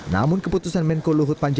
namun keputusan menko luhut panjat